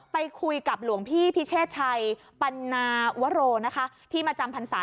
ไปคุยกับหลวงพี่พิเชษภัย